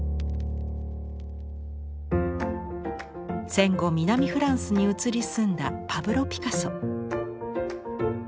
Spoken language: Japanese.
戦後南フランスに移り住んだパブロ・ピカソ。